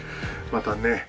またね